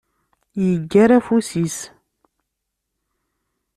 Yeggar afus-is.